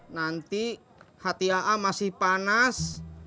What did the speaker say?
nanti hati aa masih panas